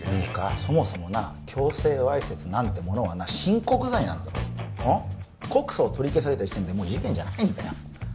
そもそも強制わいせつなんてものは親告罪だ告訴を取り消された時点でもう事件じゃないんだよ